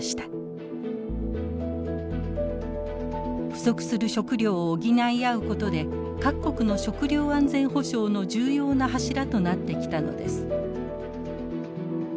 不足する食料を補い合うことで各国の食料安全保障の重要な柱となってきたのです。